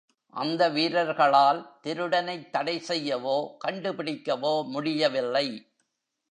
அந்த வீரர்களால் திருடனைத் தடை செய்யவோ, கண்டுபிடிக்கவோ முடியவில்லை.